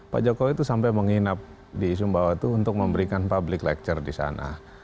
pak jokowi itu sampai menginap di sumbawa itu untuk memberikan public lecture di sana